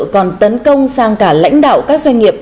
còn tấn công sang cả lãnh đạo các doanh nghiệp